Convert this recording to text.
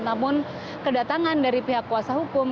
namun kedatangan dari pihak kuasa hukum